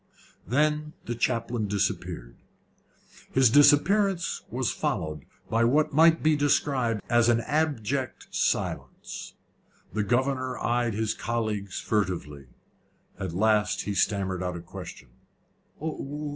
Then the chaplain disappeared. His disappearance was followed by what might be described as an abject silence. The governor eyed his colleagues furtively. At last he stammered out a question.